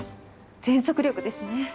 全速力ですね。